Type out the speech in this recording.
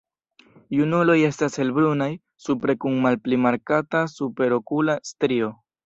Junuloj estas helbrunaj supre kun malpli markata superokula strio.